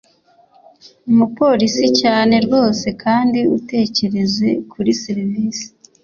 Umupolisi cyane rwose kandi utekereze kuri service